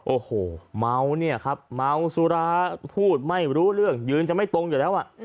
โอ้โหเมาเนี่ยครับเมาสุราพูดไม่รู้เรื่องยืนจะไม่ตรงอยู่แล้ว